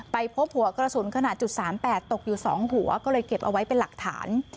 พบหัวกระสุนขนาด๓๘ตกอยู่๒หัวก็เลยเก็บเอาไว้เป็นหลักฐาน